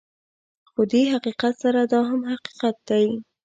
خو دې حقیقت سره دا هم حقیقت دی